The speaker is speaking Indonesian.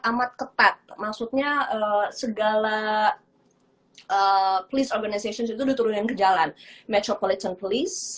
amat ketat maksudnya segala please organization itu diturunin ke jalan metropolitan police